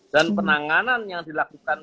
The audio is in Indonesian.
dan penanganan yang dilakukan